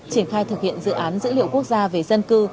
triển khai thực hiện dự án dữ liệu quốc gia về dân cư